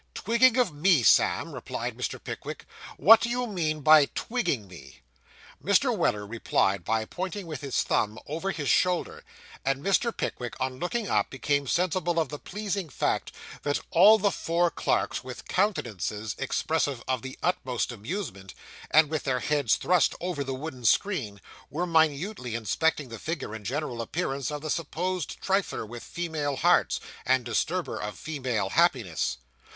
'Twigging of me, Sam!' replied Mr. Pickwick; 'what do you mean by twigging me?' Mr. Weller replied by pointing with his thumb over his shoulder, and Mr. Pickwick, on looking up, became sensible of the pleasing fact, that all the four clerks, with countenances expressive of the utmost amusement, and with their heads thrust over the wooden screen, were minutely inspecting the figure and general appearance of the supposed trifler with female hearts, and disturber of female happiness.